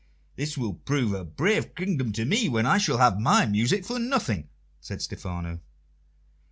"This will prove a brave kingdom to me, where I shall have my music for nothing," said Stephano.